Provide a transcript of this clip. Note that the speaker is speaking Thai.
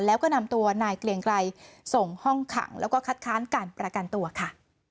แล้วก็นำตัวนายเกลียงไกรส่งห้องขังแล้วก็คัดค้านการประกันตัวค่ะ